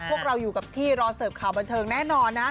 พวกเราอยู่กับที่รอเสิร์ฟข่าวบันเทิงแน่นอนนะ